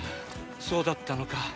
そうだったのか。